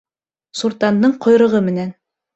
Суртандың ҡойроғо менән.